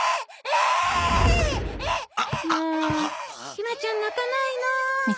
ひまちゃん泣かないの。